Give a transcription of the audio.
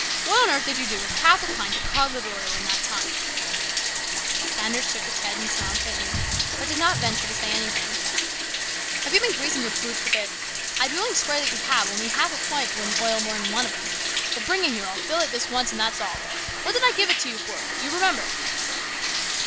What on earth did you do with half a pint of cod liver oil in that time ?" Sanders shook his head and smiled faintly, but did not venture to say anything. 48 HIS BROTHER'S KEEPER. " Have you been greasing your boots with it ? I'd be willing to swear that you have, only half a pint wouldn't oil more than one of 'em. Well, bring it here ! I'll fill it this once and that's all. What did I give it to you for ? Do you remember